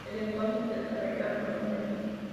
Desde entonces se desarrollaron anualmente.